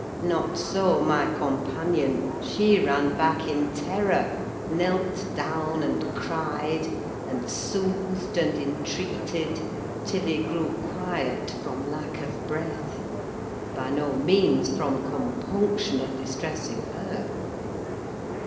Not so my companion: she ran back in terror, knelt down, and cried, and soothed, and entreated, till he grew quiet from lack of breath: by no means from compunction at distressing her.